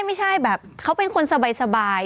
ไม่ใช่แบบเขาเป็นคนสบาย